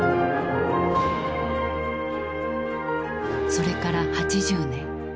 それから８０年。